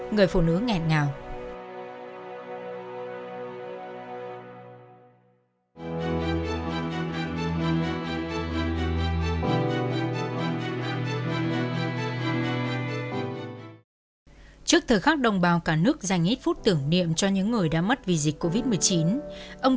người phụ nữ nghẹn ngào